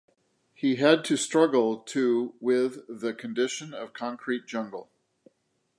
He had to struggle to with the condition of concrete jungle.